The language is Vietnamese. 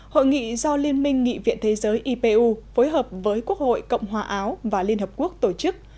hội nghị do liên minh nghị viện thế giới ipu phối hợp với quốc hội cộng hòa áo và liên hợp quốc tổ chức